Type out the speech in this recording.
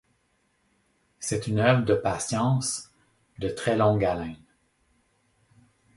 C'est une œuvre de patience, de très longue haleine.